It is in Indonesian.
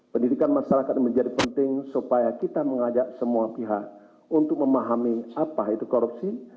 pendidikan masyarakat menjadi penting supaya kita mengajak semua pihak untuk memahami apa itu korupsi